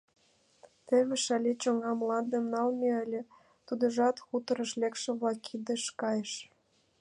Теве Шале чоҥга мландым налме ыле, тудыжат хуторыш лекше-влак кидыш кайыш.